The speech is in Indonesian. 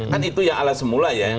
kan itu yang ala semula ya